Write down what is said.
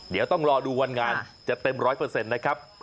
เดี๋ยวต้องรอดูวันงานจะเต็มร้อยเปอร์เซ็นต์นะครับ